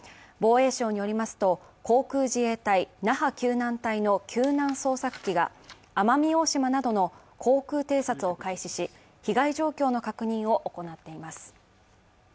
防衛省によりますと、航空自衛隊那覇救難隊の救難捜索機が奄美大島などの航空偵察を開始し、被害状況の確認を行っています。